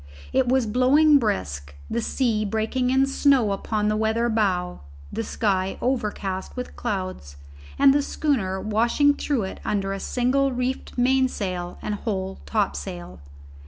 It was blowing brisk, the sea breaking in snow upon the weather bow, the sky overcast with clouds, and the schooner washing through it under a single reefed mainsail and whole topsail.